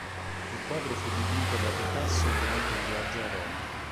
Il quadro fu dipinto da Picasso durante un viaggio a Roma.